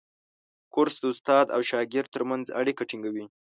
کورس د استاد او شاګرد ترمنځ اړیکه ټینګوي.